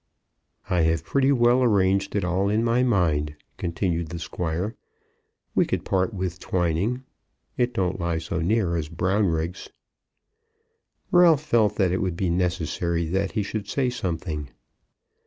"I have pretty well arranged it all in my mind," continued the Squire. "We could part with Twining. It don't lie so near as Brownriggs." Ralph felt that it would be necessary that he should say something.